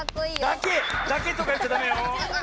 だけ！だけとかいっちゃダメよ！